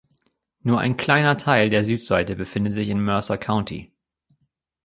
Nur ein kleiner Teil der Südseite befindet sich in Mercer County.